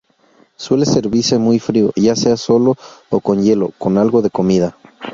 Suele servirse muy frío, ya sea solo o con hielo, con algo de comida.